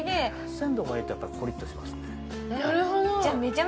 鮮度がいいとやっぱりコリッとしていますね